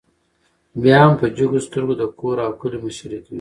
بيا هم په جګو سترګو د کور او کلي مشري کوي